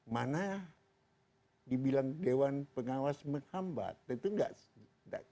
mana dibilang dewan pengawas menghambat itu nggak